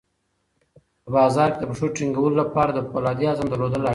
په بازار کې د پښو ټینګولو لپاره د فولادي عزم درلودل اړین دي.